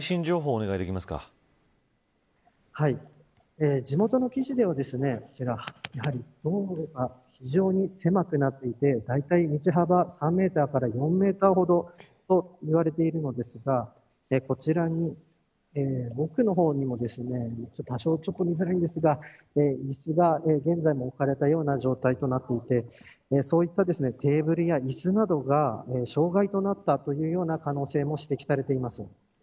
はい、地元の記事では、こちら道路が非常に狭くなっていてだいたい道幅３メートルから４メートルほどと言われているのですがこちら、奥の方にも多少、ちょっと見づらいのですがいすが現在も置かれたような状態になっていてそういったテーブルや、いすなどが障害となった可能性も指摘されています。